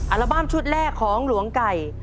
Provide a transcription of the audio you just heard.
อัลบั้มชุดแรกของหลวงไก่